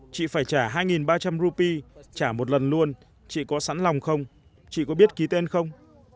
chị phải trả hai ba trăm linh rupee trả một lần luôn chị có sẵn lòng không chị có biết ký tên không